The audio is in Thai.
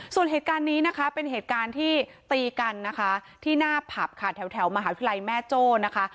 ส่วนเหตุการณ์นี้นะคะเป็นเหตุการณ์ที่ตีกันนะคะที่หน้าผับค่ะแถวมหาวิทยาลัยแม่โจ้นะคะ